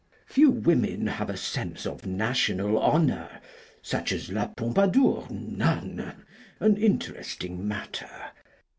Few women have a sense of national honour, such as La Pompadour none! An interesting matter."